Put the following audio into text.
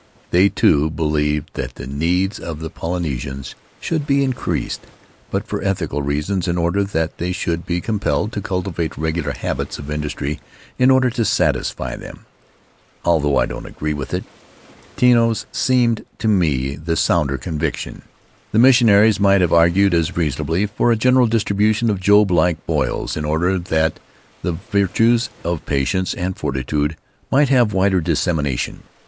They, too, believed that the needs of the Polynesians should be increased, but for ethical reasons, in order that they should be compelled to cultivate regular habits of industry in order to satisfy them. Although I didn't agree with it, Tino's seemed to me the sounder conviction. The missionaries might have argued as reasonably for a general distribution of Job like boils, in order that the virtues of patience and fortitude might have wider dissemination.